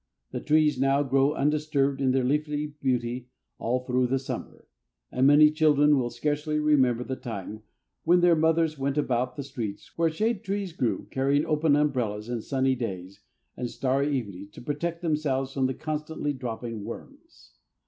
The trees now grow undisturbed in their leafy beauty all through the summer, and many children will scarcely remember the time when their mothers went about the streets where shade trees grew carrying open umbrellas in sunny days and starry evenings to protect themselves from the constantly dropping worms.